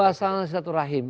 suasana satu rahim